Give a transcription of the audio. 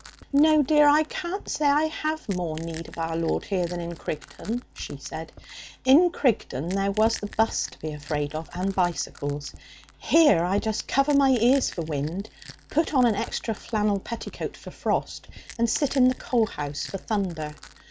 'No, dear, I can't say I have more need of our Lord here than in Crigton,' she said. 'In Crigton there was the bus to be afraid of, and bicycles. Here I just cover my ears for wind, put on an extra flannel petticoat for frost, and sit in the coal house for thunder.